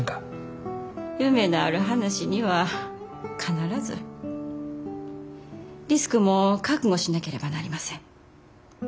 夢のある話には必ずリスクも覚悟しなければなりません。